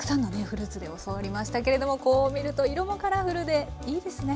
フルーツで教わりましたけれどもこう見ると色もカラフルでいいですね。